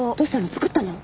作ったの？